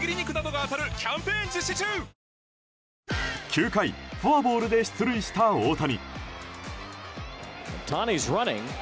９回フォアボールで出塁した大谷。